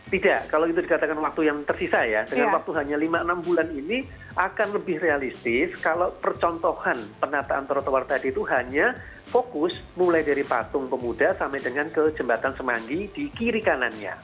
tidak kalau itu dikatakan waktu yang tersisa ya dengan waktu hanya lima enam bulan ini akan lebih realistis kalau percontohan penataan trotoar tadi itu hanya fokus mulai dari patung pemuda sampai dengan ke jembatan semanggi di kiri kanannya